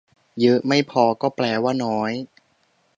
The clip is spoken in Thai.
เยอะไม่พอก็แปลว่าน้อย